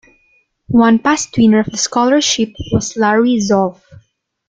One past winner of the scholarship was Larry Zolf.